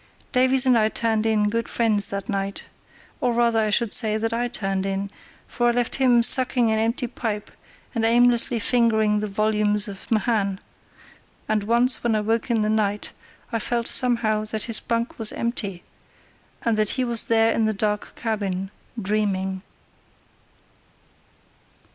Davies and I turned in good friends that night—or rather I should say that I turned in, for I left him sucking an empty pipe and aimlessly fingering a volume of Mahan; and once when I woke in the night I felt somehow that his bunk was empty and that he was there in the dark cabin, dreaming.